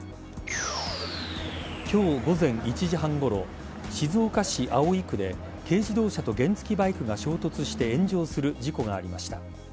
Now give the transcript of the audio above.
今日午前１時半ごろ静岡市葵区で軽自動車と原付バイクが衝突して炎上する事故がありました。